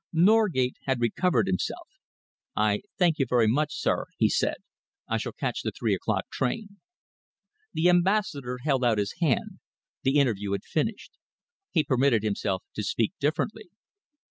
Norgate had recovered himself. "I thank you very much, sir," he said. "I shall catch the three o'clock train." The Ambassador held out his hand. The interview had finished. He permitted himself to speak differently.